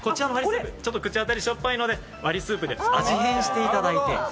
口当たりがしょっぱいので割りスープで味変していただいて。